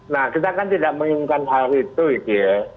nah kita kan tidak menginginkan hal itu gitu ya